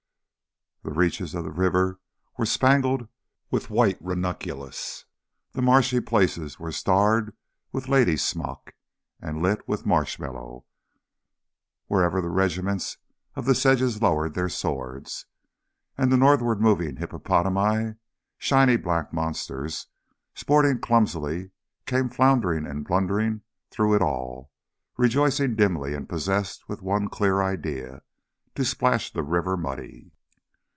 The reaches of the river were spangled with white ranunculus, the marshy places were starred with lady's smock and lit with marsh mallow wherever the regiments of the sedges lowered their swords, and the northward moving hippopotami, shiny black monsters, sporting clumsily, came floundering and blundering through it all, rejoicing dimly and possessed with one clear idea, to splash the river muddy.